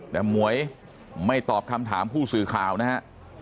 แต่หมวยไม่ตอบคำถามผู้สื่อข่าวนะฮะ